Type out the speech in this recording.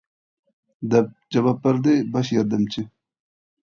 - دەپ جاۋاب بەردى باش ياردەمچى.